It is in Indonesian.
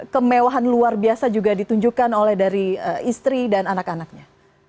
kemewahan luar biasa juga ditunjukkan oleh dari istri dan anak anaknya